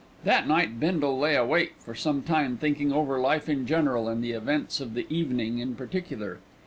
That night Bindle lay awake for some time thinking over life in general and the events of the evening in particular.